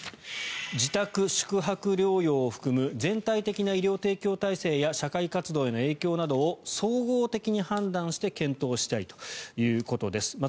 自宅宿泊療養を含む全体的な医療提供体制や社会活動への影響などを総合的に判断して検討したいということです。